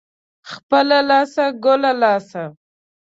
خپله لاسه ، گله لاسه.